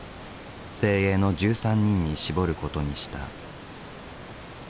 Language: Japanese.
精鋭の１３人に絞ることにした。